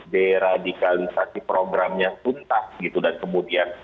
diradikalisasi programnya tuntas dan kemudian